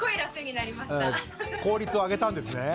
効率を上げたんですね。